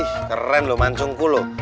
ih keren loh mansungku loh